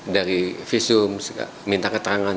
dari visum minta keterangan